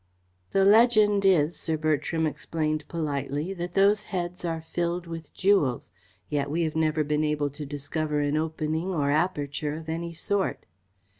"The legend is," Sir Bertram explained politely, "that those heads are filled with jewels. Yet we have never been able to discover an opening or aperture of any sort."